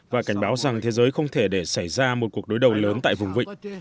và cảnh báo rằng thế giới không thể để xảy ra một cuộc đối đầu lớn tại vùng vịnh